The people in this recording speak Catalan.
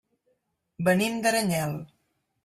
Venim d'Aranyel.